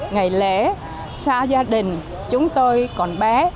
ngày lễ xa gia đình chúng tôi còn bé